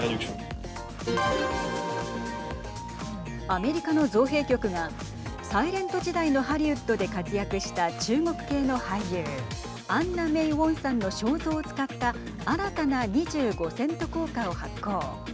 アメリカの造幣局がサイレント時代のハリウッドで活躍した中国系の俳優アンナ・メイ・ウォンさんの肖像を使った新たな２５セント硬貨を発行。